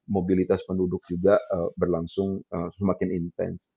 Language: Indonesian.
mobilitas penduduk juga berlangsung semakin intens